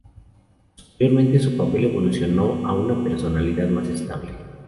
Posteriormente su papel evolucionó a una personalidad más estable.